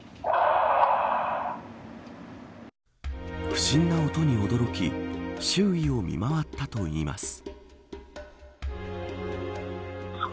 不審な音に驚き周囲を見回ったといいます。